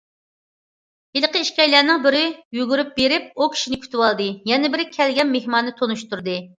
ھېلىقى ئىككىيلەننىڭ بىرى يۈگۈرۈپ بېرىپ ئۇ كىشىنى كۈتۈۋالدى، يەنە بىرى كەلگەن مېھماننى تونۇشتۇردى.